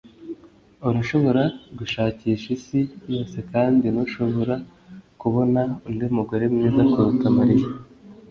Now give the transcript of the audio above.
Urashobora gushakisha isi yose kandi ntushobora kubona undi mugore mwiza kuruta Mariya